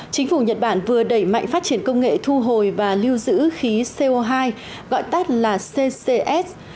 chính phủ nhật bản vừa đẩy mạnh phát triển công nghệ thu hồi và lưu giữ khí co hai gọi tắt là ccs